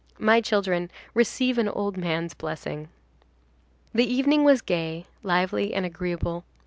My children, receive an old man's blessing." The evening was gay, lively and agreeable.